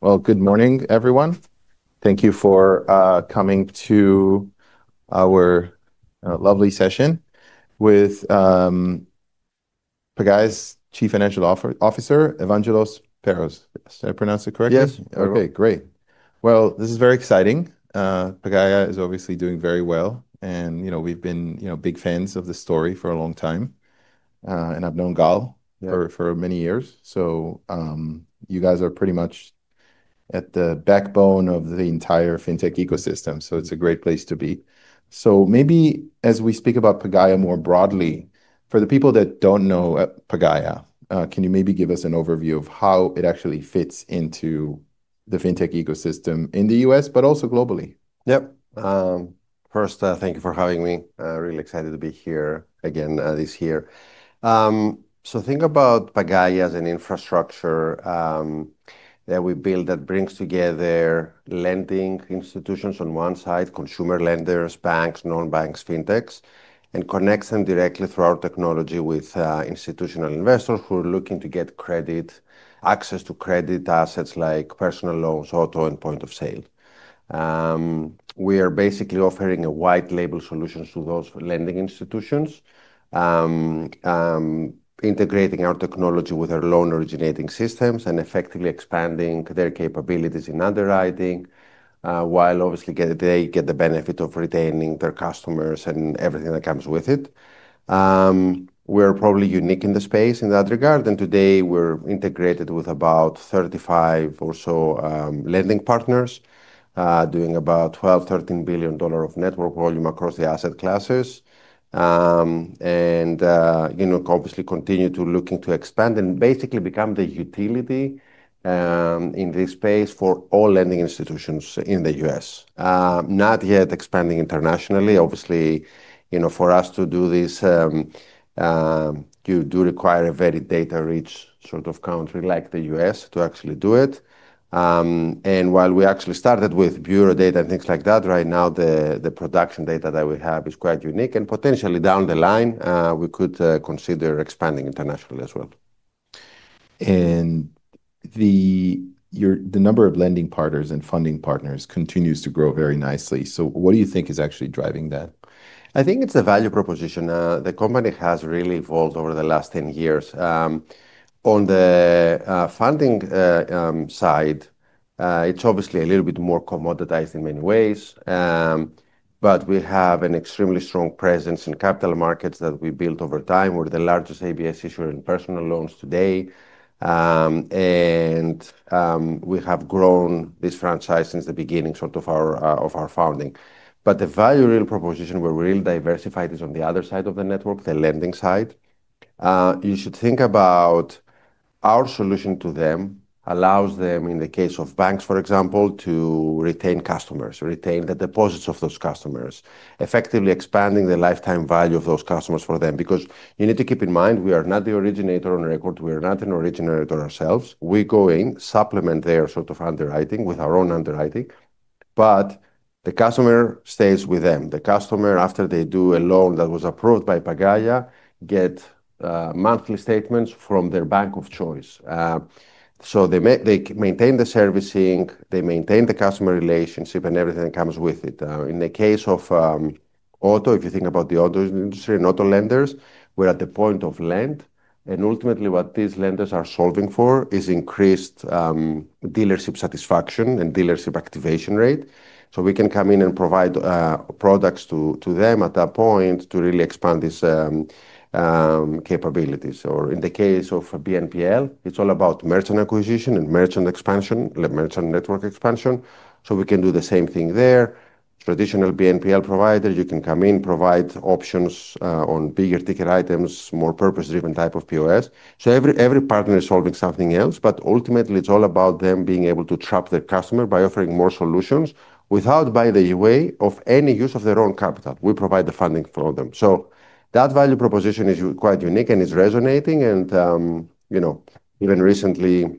Well, good morning, everyone. Thank you for coming to our lovely session with Pagaya's Chief Financial Officer, Evangelos Perros. Did I pronounce it correctly? Yes. Okay, great. Well, this is very exciting. Pagaya is obviously doing very well, and we've been big fans of the story for a long time. I've known Gal for many years. You guys are pretty much at the backbone of the entire fintech ecosystem, so it's a great place to be. Maybe as we speak about Pagaya more broadly, for the people that don't know Pagaya, can you maybe give us an overview of how it actually fits into the fintech ecosystem in the U.S., but also globally? Yep. First, thank you for having me. Really excited to be here again this year. Think about Pagaya as an infrastructure that we build that brings together lending institutions on one side, consumer lenders, banks, non-banks, fintechs, and connects them directly through our technology with institutional investors who are looking to get access to credit assets like personal loans, auto, and point of sale. We are basically offering a white label solution to those lending institutions, integrating our technology with our loan originating systems and effectively expanding their capabilities in underwriting, while obviously they get the benefit of retaining their customers and everything that comes with it. We're probably unique in the space in that regard, and today we're integrated with about 35 or so lending partners, doing about $12 billion, $13 billion of network volume across the asset classes. Obviously continue to looking to expand and basically become the utility in this space for all lending institutions in the U.S. Not yet expanding internationally. Obviously, for us to do this, you do require a very data-rich sort of country like the U.S. to actually do it. While we actually started with bureau data and things like that, right now the production data that we have is quite unique and potentially down the line, we could consider expanding internationally as well. The number of lending partners and funding partners continues to grow very nicely. What do you think is actually driving that? I think it's the value proposition. The company has really evolved over the last 10 years. On the funding side, it's obviously a little bit more commoditized in many ways. We have an extremely strong presence in capital markets that we've built over time. We're the largest ABS issuer in personal loans today. We have grown this franchise since the beginning of our founding. The value real proposition, where real diversified is on the other side of the network, the lending side. You should think about our solution to them allows them, in the case of banks, for example, to retain customers, retain the deposits of those customers, effectively expanding the lifetime value of those customers for them. Because you need to keep in mind, we are not the originator on record. We are not an originator ourselves. We go in, supplement their sort of underwriting with our own underwriting. The customer stays with them. The customer, after they do a loan that was approved by Pagaya, get monthly statements from their bank of choice. They maintain the servicing, they maintain the customer relationship, and everything that comes with it. In the case of auto, if you think about the auto industry and auto lenders, we're at the point of lend, and ultimately what these lenders are solving for is increased dealership satisfaction and dealership activation rate. We can come in and provide products to them at that point to really expand these capabilities. In the case of BNPL, it's all about merchant acquisition and merchant network expansion. We can do the same thing there. Traditional BNPL provider, you can come in, provide options on bigger ticket items, more purpose-driven type of POS. Every partner is solving something else, ultimately, it's all about them being able to trap their customer by offering more solutions without, by the way, of any use of their own capital. We provide the funding for them. That value proposition is quite unique and is resonating, and even recently,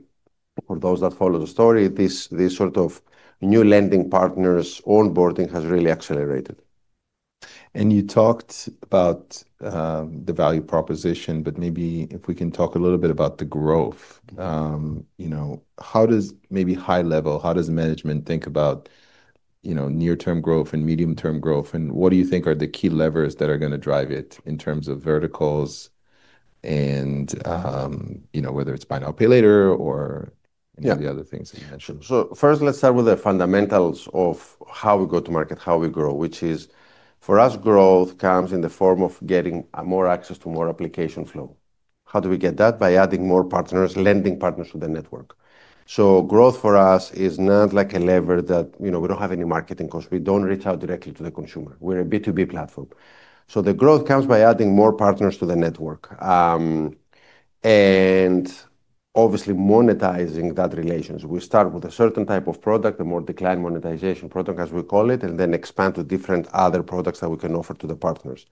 for those that follow the story, these sorts of new lending partners onboarding has really accelerated. You talked about the value proposition, but maybe if we can talk a little bit about the growth. Maybe high level, how does management think about near-term growth and medium-term growth, and what do you think are the key levers that are going to drive it in terms of verticals and whether it's buy now, pay later or any of the other things that you mentioned? First, let's start with the fundamentals of how we go to market, how we grow, which is for us, growth comes in the form of getting more access to more application flow. How do we get that? By adding more partners, lending partners to the network. Growth for us is not like a lever that we don't have any marketing cost. We don't reach out directly to the consumer. We're a B2B platform. The growth comes by adding more partners to the network. Obviously monetizing that relations. We start with a certain type of product, a more Decline Monetization product, as we call it, and then expand to different other products that we can offer to the partners.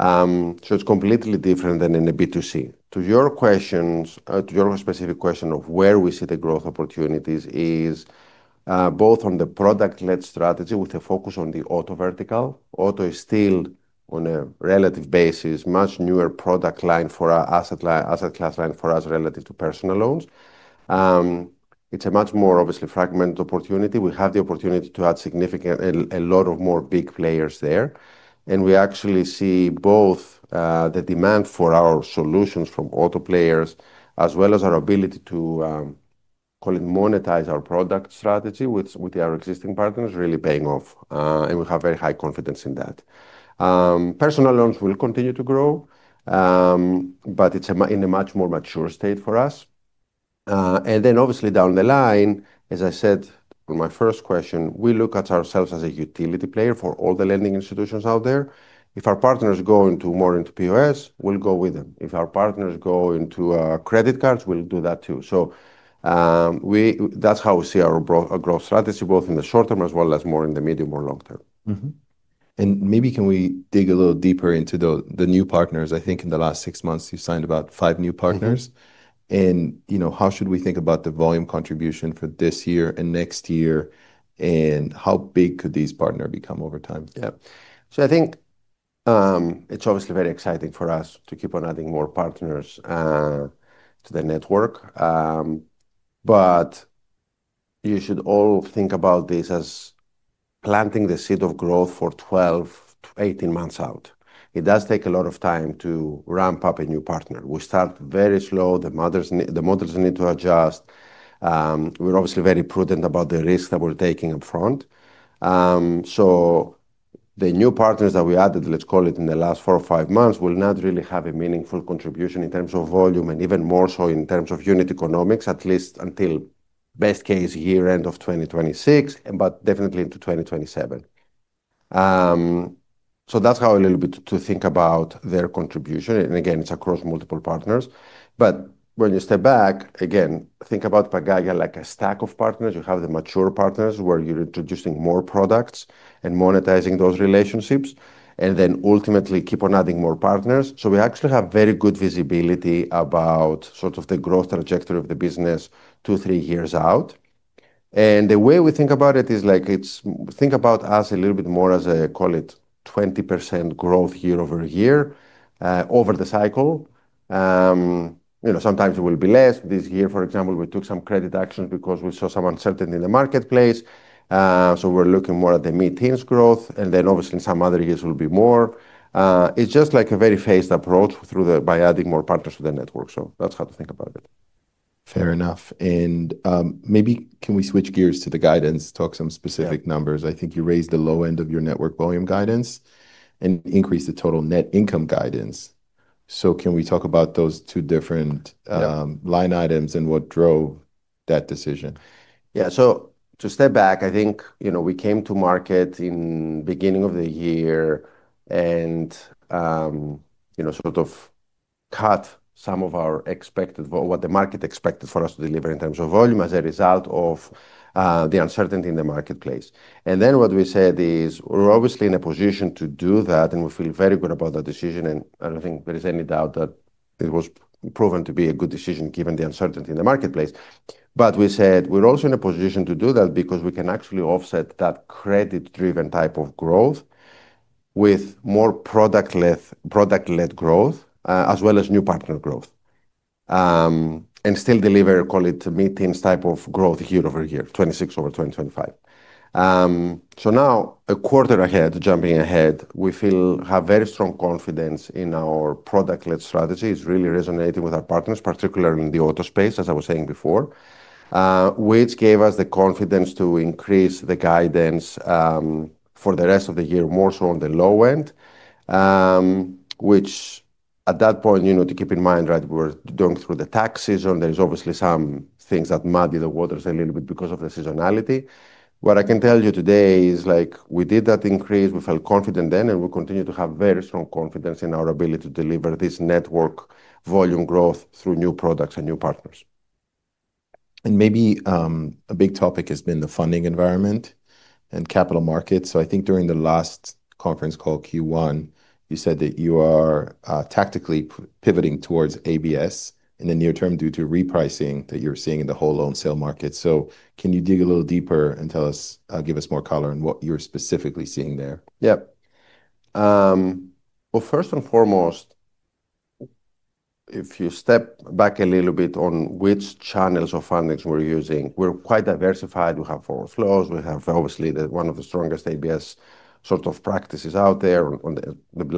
It's completely different than in a B2C. To your specific question of where we see the growth opportunities is both on the product-led strategy with a focus on the auto vertical. Auto is still on a relative basis, much newer product line for our asset class line for us relative to personal loans. It's a much more obviously fragmented opportunity. We have the opportunity to add significant, a lot of more big players there, and we actually see both the demand for our solutions from auto players as well as our ability to call it monetize our product strategy with our existing partners really paying off. We have very high confidence in that. Personal loans will continue to grow, but it's in a much more mature state for us. Then obviously down the line, as I said with my first question, we look at ourselves as a utility player for all the lending institutions out there. If our partners go more into POS, we'll go with them. If our partners go into credit cards, we'll do that too. That's how we see our growth strategy, both in the short term as well as more in the medium or long term. Mm-hmm. Maybe can we dig a little deeper into the new partners? I think in the last six months you've signed about five new partners. How should we think about the volume contribution for this year and next year, how big could this partner become over time? Yeah. I think it's obviously very exciting for us to keep on adding more partners to the network. You should all think about this as planting the seed of growth for 12 to 18 months out. It does take a lot of time to ramp up a new partner. We start very slow. The models need to adjust. We're obviously very prudent about the risk that we're taking up front. The new partners that we added, let's call it in the last four or five months, will not really have a meaningful contribution in terms of volume and even more so in terms of unit economics, at least until best case year end of 2026, but definitely into 2027. That's how a little bit to think about their contribution. Again, it's across multiple partners, but when you step back, again, think about Pagaya like a stack of partners. You have the mature partners where you're introducing more products and monetizing those relationships, ultimately keep on adding more partners. We actually have very good visibility about sort of the growth trajectory of the business two, three years out. The way we think about it is think about us a little bit more as a call it 20% growth year-over-year, over the cycle. Sometimes it will be less. This year, for example, we took some credit actions because we saw some uncertainty in the marketplace. We're looking more at the mid-teens growth, obviously in some other years will be more. It's just like a very phased approach by adding more partners to the network. That's how to think about it. Fair enough. Maybe can we switch gears to the guidance, talk some specific numbers? Yeah. I think you raised the low end of your network volume guidance and increased the total net income guidance. Can we talk about those two different- Yeah line items and what drove that decision? Yeah. To step back, I think we came to market in beginning of the year and sort of cut some of our expected, what the market expected for us to deliver in terms of volume as a result of the uncertainty in the marketplace. What we said is we're obviously in a position to do that, and we feel very good about that decision, and I don't think there is any doubt that it was proven to be a good decision given the uncertainty in the marketplace. We said we're also in a position to do that because we can actually offset that credit-driven type of growth with more product-led growth, as well as new partner growth. Still deliver, call it mid-teens type of growth year-over-year, 2026 over 2025. A quarter ahead, jumping ahead, we feel have very strong confidence in our product-led strategy. It's really resonating with our partners, particularly in the auto space, as I was saying before, which gave us the confidence to increase the guidance for the rest of the year, more so on the low end, which at that point to keep in mind, right, we're going through the tax season. There's obviously some things that muddy the waters a little bit because of the seasonality. What I can tell you today is we did that increase, we felt confident then, and we continue to have very strong confidence in our ability to deliver this network volume growth through new products and new partners. Maybe a big topic has been the funding environment and capital markets. I think during the last conference call, Q1, you said that you are tactically pivoting towards ABS in the near term due to repricing that you're seeing in the whole loan sale market. Can you dig a little deeper and give us more color on what you're specifically seeing there? Yeah. Well, first and foremost, if you step back a little bit on which channels of funding we're using, we're quite diversified. We have overflows. We have obviously one of the strongest ABS sort of practices out there on the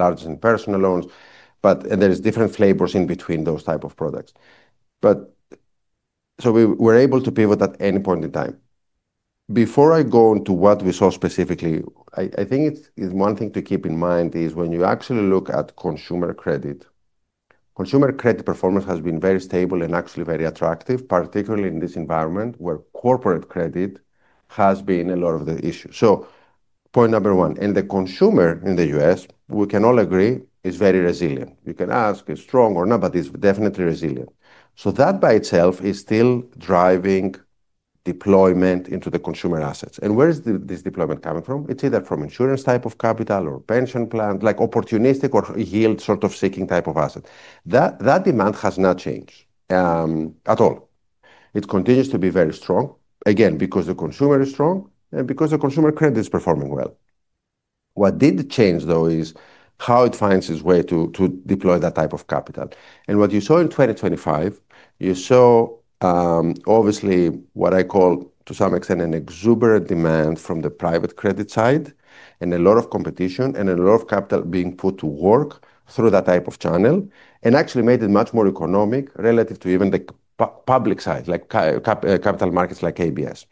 large and personal loans. There is different flavors in between those type of products. We're able to pivot at any point in time. Before I go into what we saw specifically, I think one thing to keep in mind is when you actually look at consumer credit, consumer credit performance has been very stable and actually very attractive, particularly in this environment where corporate credit has been a lot of the issue. Point 1, and the consumer in the U.S., we can all agree, is very resilient. You can ask, is strong or not, but it's definitely resilient. That by itself is still driving deployment into the consumer assets. Where is this deployment coming from? It's either from insurance type of capital or pension plan, like opportunistic or yield sort of seeking type of asset. That demand has not changed at all. It continues to be very strong, again, because the consumer is strong and because the consumer credit is performing well. What did change, though, is how it finds its way to deploy that type of capital. What you saw in 2025, you saw obviously what I call, to some extent, an exuberant demand from the private credit side and a lot of competition and a lot of capital being put to work through that type of channel, and actually made it much more economic relative to even the public side, capital markets like ABS.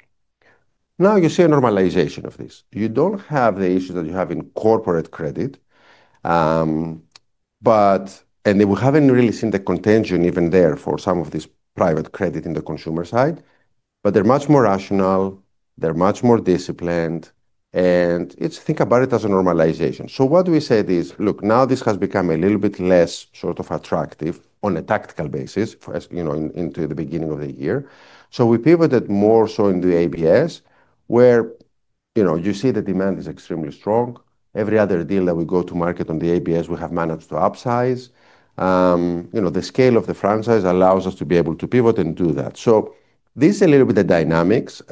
Now you see a normalization of this. You don't have the issues that you have in corporate credit. We haven't really seen the contagion even there for some of this private credit in the consumer side. They're much more rational, they're much more disciplined, and let's think about it as a normalization. What we said is, "Look, now this has become a little bit less sort of attractive on a tactical basis into the beginning of the year." We pivoted more so into ABS, where you see the demand is extremely strong. Every other deal that we go to market on the ABS, we have managed to upsize. The scale of the franchise allows us to be able to pivot and do that. This is a little bit the dynamics.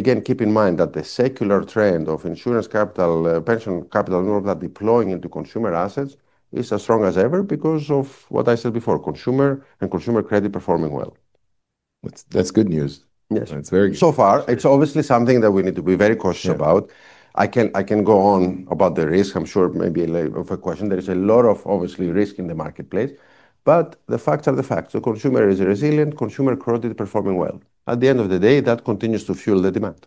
Again, keep in mind that the secular trend of insurance capital, pension capital, and all of that deploying into consumer assets is as strong as ever because of what I said before, consumer and consumer credit performing well. That's good news. Yes. That's very good. So far. It's obviously something that we need to be very cautious about. Sure. I can go on about the risk. I'm sure maybe later of a question. There is a lot of, obviously, risk in the marketplace. The facts are the facts. The consumer is resilient, consumer credit is performing well. At the end of the day, that continues to fuel the demand.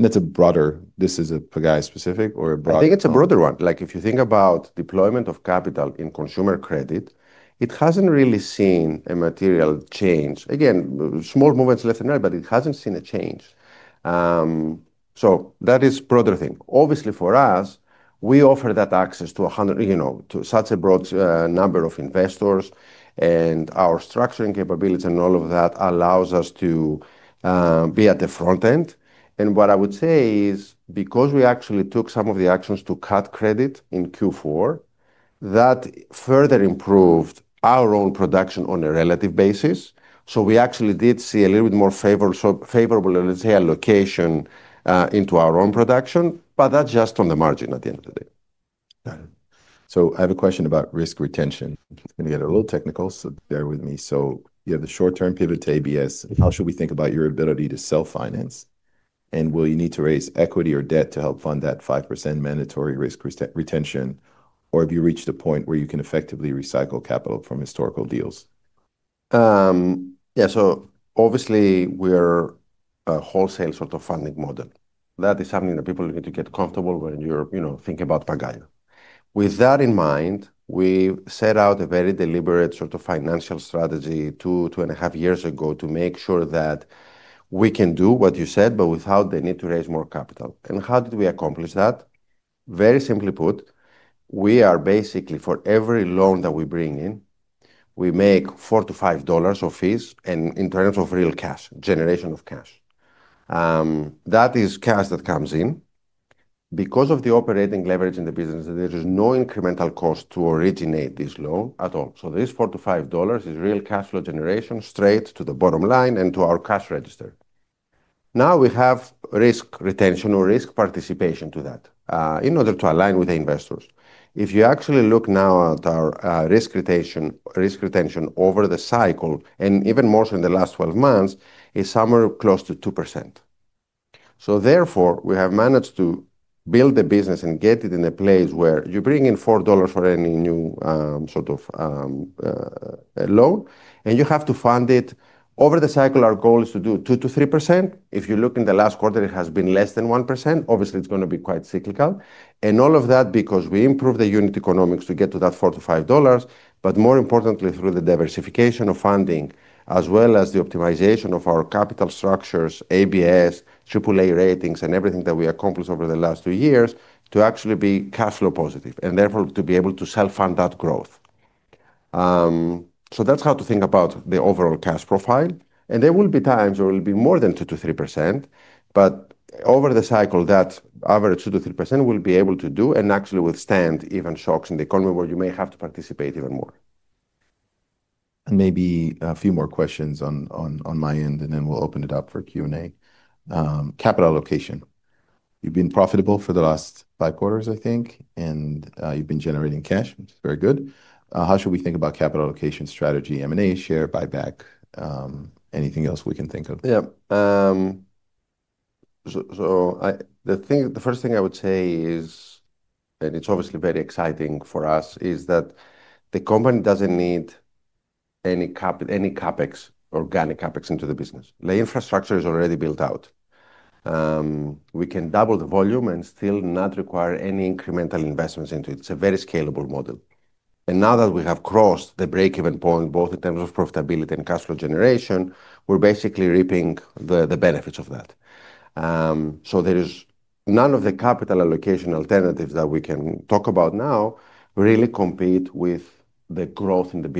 That's a broader, this is a Pagaya specific or a broader. I think it's a broader one. If you think about deployment of capital in consumer credit, it hasn't really seen a material change. Again, small movements left and right. It hasn't seen a change. That is broader thing. Obviously, for us, we offer that access to such a broad number of investors, and our structuring capability and all of that allows us to be at the front end. What I would say is, because we actually took some of the actions to cut credit in Q4, that further improved our own production on a relative basis. We actually did see a little bit more favorable, let's say, allocation into our own production, that's just on the margin at the end of the day. I have a question about risk retention. I'm going to get a little technical, bear with me. You have the short-term pivot to ABS. How should we think about your ability to self-finance? Will you need to raise equity or debt to help fund that 5% mandatory risk retention? Have you reached a point where you can effectively recycle capital from historical deals? Yeah. Obviously, we're a wholesale sort of funding model. That is something that people need to get comfortable when you're thinking about Pagaya. With that in mind, we set out a very deliberate sort of financial strategy two and a half years ago to make sure that we can do what you said, but without the need to raise more capital. How did we accomplish that? Very simply put, we are basically for every loan that we bring in, we make $4 to $5 of fees and in terms of real cash, generation of cash. That is cash that comes in. Because of the operating leverage in the business, there is no incremental cost to originate this loan at all. This $4 to $5 is real cash flow generation straight to the bottom line and to our cash register. Now we have risk retention or risk participation to that in order to align with the investors. If you actually look now at our risk retention over the cycle, and even more so in the last 12 months, is somewhere close to 2%. Therefore, we have managed to build the business and get it in a place where you bring in $4 for any new sort of loan, and you have to fund it. Over the cycle, our goal is to do 2%-3%. If you look in the last quarter, it has been less than 1%. Obviously, it's going to be quite cyclical. All of that because we improve the unit economics to get to that $4 to $5, but more importantly, through the diversification of funding, as well as the optimization of our capital structures, ABS, AAA ratings, and everything that we accomplished over the last two years to actually be cash flow positive, therefore, to be able to self-fund that growth. That's how to think about the overall cash profile. There will be times where it will be more than 2%-3%, but over the cycle, that average 2%-3% we'll be able to do and actually withstand even shocks in the economy where you may have to participate even more. Maybe a few more questions on my end, and then we'll open it up for Q&A. Capital allocation. You've been profitable for the last five quarters, I think, and you've been generating cash, which is very good. How should we think about capital allocation strategy, M&A, share buyback, anything else we can think of? Yeah. The first thing I would say is, it's obviously very exciting for us, is that the company doesn't need any CapEx, organic CapEx into the business. The infrastructure is already built out. We can double the volume and still not require any incremental investments into it. It's a very scalable model. Now that we have crossed the break-even point, both in terms of profitability and cash flow generation, we're basically reaping the benefits of that. There is none of the capital allocation alternatives that we can talk about now really compete with the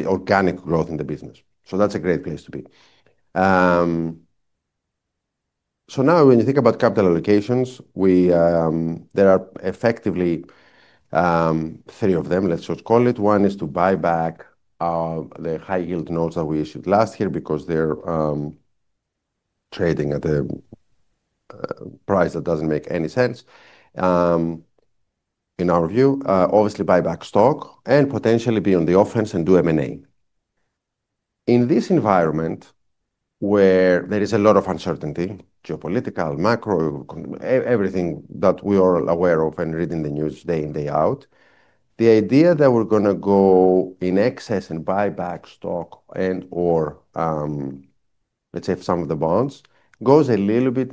organic growth in the business. That's a great place to be. Now when you think about capital allocations, there are effectively three of them, let's just call it. One is to buy back the high-yield notes that we issued last year because they're trading at a price that doesn't make any sense, in our view. Obviously, buy back stock and potentially be on the offense and do M&A. In this environment where there is a lot of uncertainty, geopolitical, macro, everything that we are all aware of and reading the news day in, day out, the idea that we're going to go in excess and buy back stock and/or let's say some of the bonds, goes a little bit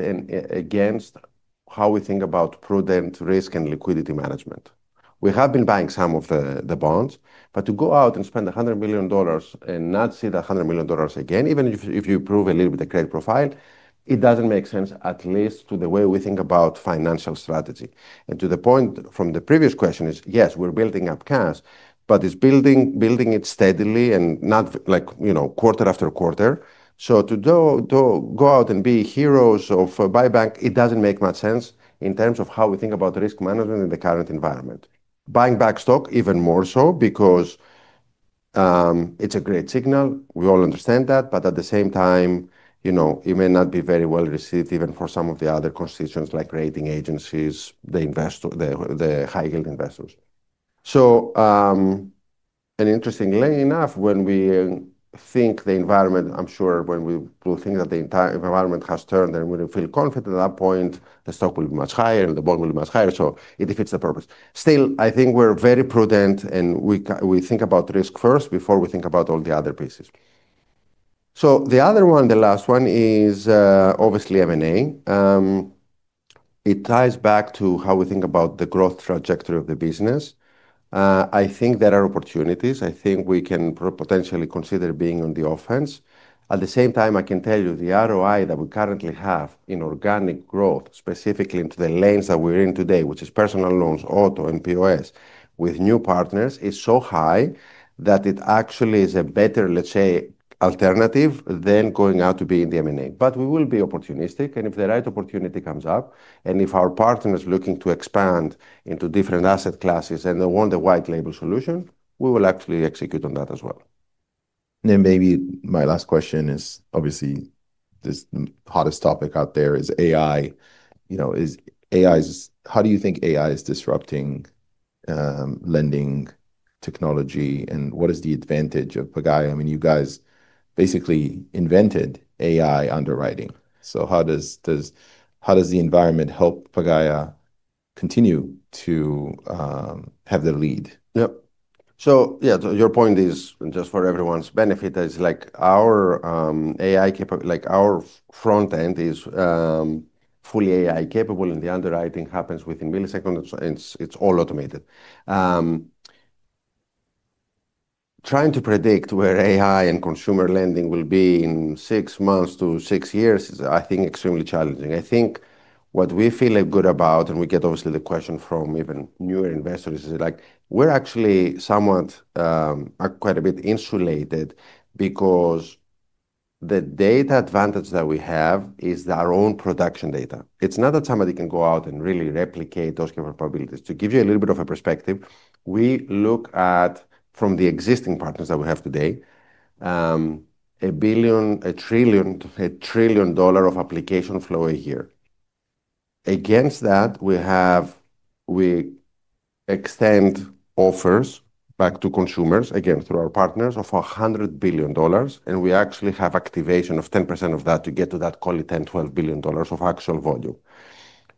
against how we think about prudent risk and liquidity management. We have been buying some of the bonds, but to go out and spend $100 million and not see the $100 million again, even if you improve a little bit of credit profile, it doesn't make sense, at least to the way we think about financial strategy. To the point from the previous question is, yes, we're building up cash, but it's building it steadily and not like quarter after quarter. To go out and be heroes of buyback, it doesn't make much sense in terms of how we think about risk management in the current environment. Buying back stock even more so because it's a great signal. We all understand that. At the same time, it may not be very well-received even for some of the other constituents, like rating agencies, the high-yield investors. Interestingly enough, when we think the environment, I'm sure when we will think that the entire environment has turned and we feel confident at that point, the stock will be much higher, and the bond will be much higher, so it defeats the purpose. I think we're very prudent, we think about risk first before we think about all the other pieces. The other one, the last one is, obviously M&A. It ties back to how we think about the growth trajectory of the business. I think there are opportunities. I think we can potentially consider being on the offense. At the same time, I can tell you the ROI that we currently have in organic growth, specifically into the lanes that we're in today, which is personal loans, auto, and POS with new partners, is so high that it actually is a better, let's say, alternative than going out to be in the M&A. We will be opportunistic, and if the right opportunity comes up, and if our partner is looking to expand into different asset classes and they want the white label solution, we will actually execute on that as well. Maybe my last question is, obviously this hottest topic out there is AI. How do you think AI is disrupting lending technology, and what is the advantage of Pagaya? You guys basically invented AI underwriting. How does the environment help Pagaya continue to have the lead? Yep. Yeah, your point is, just for everyone's benefit, our front end is fully AI capable, the underwriting happens within milliseconds, it's all automated. Trying to predict where AI and consumer lending will be in six months to six years is, I think, extremely challenging. I think what we feel good about, we get obviously the question from even newer investors, is we're actually somewhat quite a bit insulated because the data advantage that we have is our own production data. It's not that somebody can go out and really replicate those kind of probabilities. To give you a little bit of a perspective, we look at, from the existing partners that we have today, $1 trillion of application flow a year. Against that, we extend offers back to consumers, again through our partners, of $100 billion, and we actually have activation of 10% of that to get to that, call it $10 billion-$12 billion of actual volume.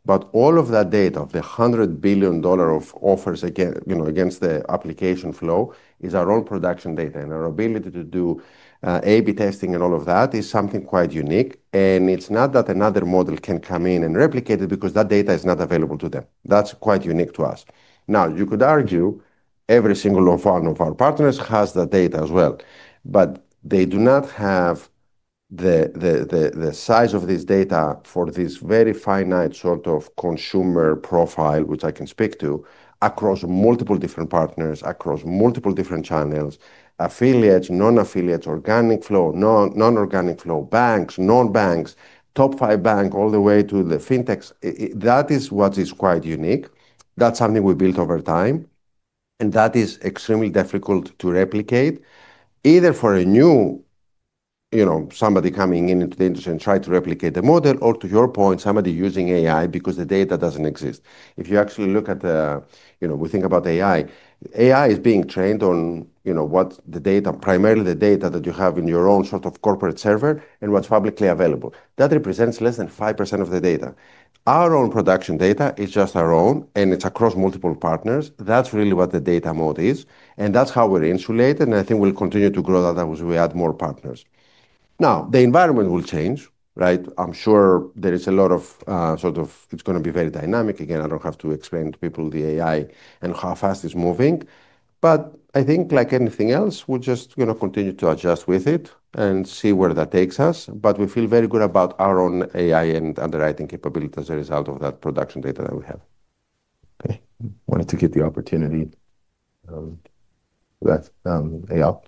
All of that data, of the $100 billion of offers against the application flow, is our own production data. Our ability to do A/B testing and all of that is something quite unique, and it's not that another model can come in and replicate it because that data is not available to them. That's quite unique to us. Now, you could argue every single one of our partners has that data as well, they do not have the size of this data for this very finite sort of consumer profile, which I can speak to, across multiple different partners, across multiple different channels, affiliates, non-affiliates, organic flow, non-organic flow, banks, non-banks, top five bank, all the way to the fintechs. That is what is quite unique. That's something we built over time, that is extremely difficult to replicate either for somebody coming into the industry and try to replicate the model or, to your point, somebody using AI because the data doesn't exist. If you actually look at AI is being trained on primarily the data that you have in your own sort of corporate server and what's publicly available. That represents less than 5% of the data. Our own production data is just our own, it's across multiple partners. That's really what the data moat is, that's how we're insulated, I think we'll continue to grow that as we add more partners. Now, the environment will change, right? I'm sure there is a lot of sort of it's going to be very dynamic. Again, I don't have to explain to people the AI and how fast it's moving. I think like anything else, we'll just continue to adjust with it and see where that takes us. We feel very good about our own AI and underwriting capability as a result of that production data that we have. Wanted to get the opportunity. That's Eyal.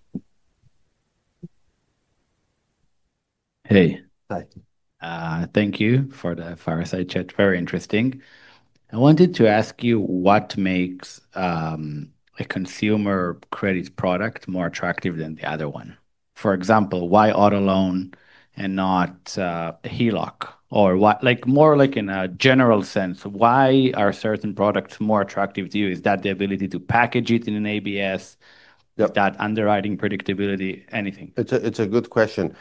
Hey. Hi. Thank you for the fireside chat. Very interesting. I wanted to ask you what makes a consumer credit product more attractive than the other one. For example, why auto loan and not HELOC? More like in a general sense, why are certain products more attractive to you? Is that the ability to package it in an ABS? Yep. Is that underwriting predictability? Anything. It's a good question.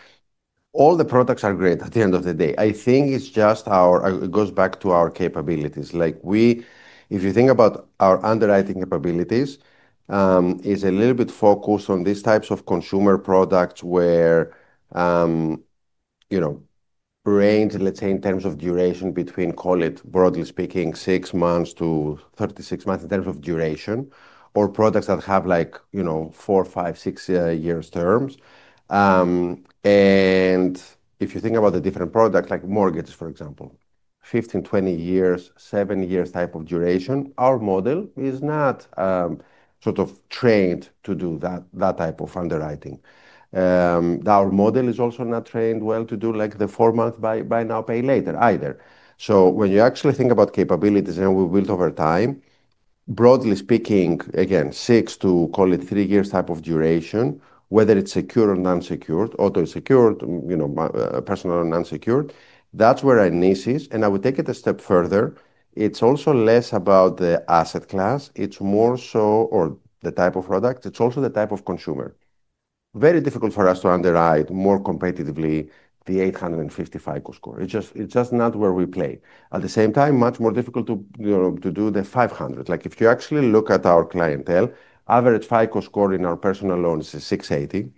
All the products are great at the end of the day. I think it goes back to our capabilities. If you think about our underwriting capabilities, is a little bit focused on these types of consumer products where range, let's say, in terms of duration between, call it, broadly speaking, six months to 36 months in terms of duration, or products that have four, five, six years terms. If you think about the different products like mortgages, for example, 15, 20 years, seven years type of duration, our model is not sort of trained to do that type of underwriting. Our model is also not trained well to do the four-month buy now, pay later either. When you actually think about capabilities that we built over time, broadly speaking, again, six to, call it, three years type of duration, whether it's secure or non-secured, auto secured, personal or non-secured, that's where our niche is. I would take it a step further. It's also less about the asset class. It's more so, or the type of product. It's also the type of consumer. Very difficult for us to underwrite more competitively the 850 FICO score. It's just not where we play. At the same time, much more difficult to do the 500. If you actually look at our clientele, average FICO score in our personal loans is 680.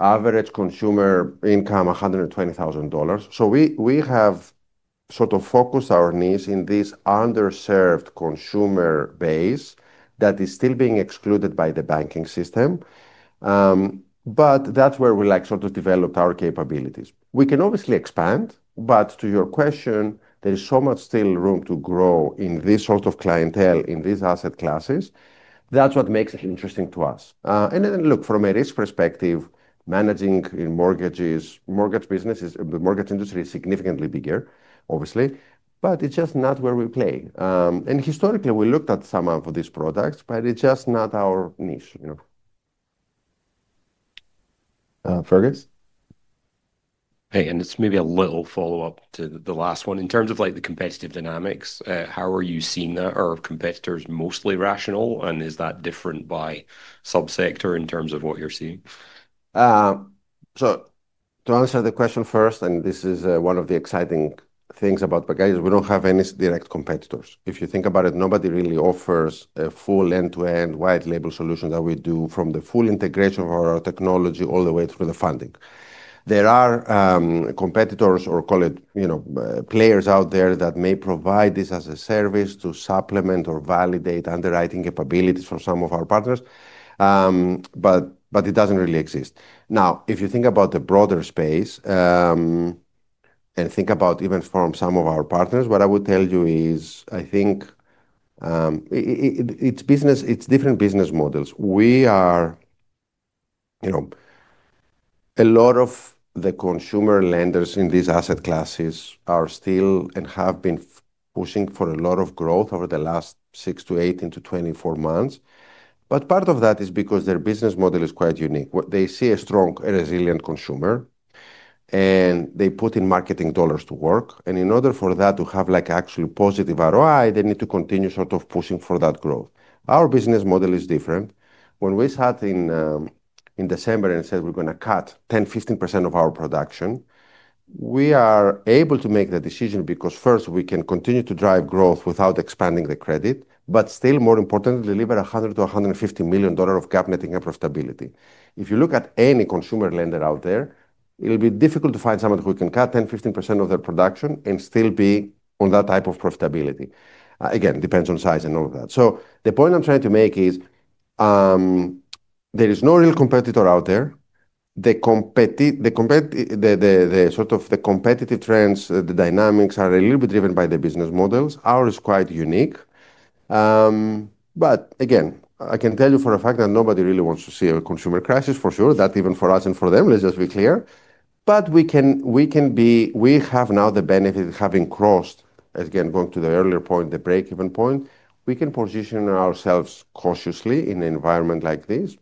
Average consumer income $120,000. We have sort of focused our niche in this underserved consumer base that is still being excluded by the banking system. That's where we sort of developed our capabilities. We can obviously expand, but to your question, there is so much still room to grow in this sort of clientele, in these asset classes. That's what makes it interesting to us. Look, from a risk perspective, managing in mortgages, the mortgage industry is significantly bigger, obviously, but it's just not where we play. Historically, we looked at some of these products, but it's just not our niche. Fergus? Hey, it's maybe a little follow-up to the last one. In terms of the competitive dynamics, how are you seeing that? Are competitors mostly rational, and is that different by subsector in terms of what you're seeing? To answer the question first, and this is one of the exciting things about Pagaya, is we don't have any direct competitors. If you think about it, nobody really offers a full end-to-end white label solution that we do from the full integration of our technology all the way through the funding. There are competitors, or call it players out there that may provide this as a service to supplement or validate underwriting capabilities for some of our partners, but it doesn't really exist. If you think about the broader space, and think about even from some of our partners, what I would tell you is, I think it's different business models. A lot of the consumer lenders in these asset classes are still and have been pushing for a lot of growth over the last 6 to 18 to 24 months. Part of that is because their business model is quite unique. They see a strong and resilient consumer, and they put in marketing dollars to work. In order for that to have like actually positive ROI, they need to continue sort of pushing for that growth. Our business model is different. When we sat in December and said we're going to cut 10%, 15% of our production, we are able to make the decision because first we can continue to drive growth without expanding the credit, but still more importantly, deliver $100 million to $150 million of GAAP net income profitability. If you look at any consumer lender out there, it'll be difficult to find someone who can cut 10%, 15% of their production and still be on that type of profitability. Again, depends on size and all of that. The point I'm trying to make is, there is no real competitor out there. The sort of the competitive trends, the dynamics are a little bit driven by the business models. Ours is quite unique. Again, I can tell you for a fact that nobody really wants to see a consumer crisis, for sure. That even for us and for them, let's just be clear. We have now the benefit of having crossed, again, going to the earlier point, the break-even point. We can position ourselves cautiously in an environment like this.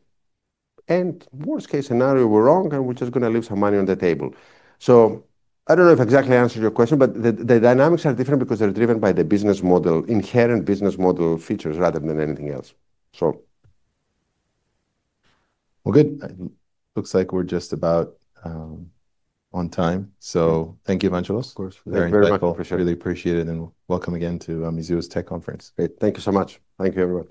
Worst case scenario, we're wrong and we're just going to leave some money on the table. I don't know if I exactly answered your question, but the dynamics are different because they're driven by the inherent business model features rather than anything else. Well, good. Looks like we're just about on time. Thank you, Evangelos. Of course. Thank you very much. Appreciate it. Really appreciate it, welcome again to Mizuho's tech conference. Great. Thank you so much. Thank you, everyone.